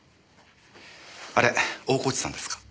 あれ大河内さんですか？